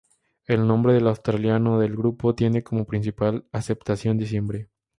El nombre en asturiano del grupo tiene como principal acepción "diciembre".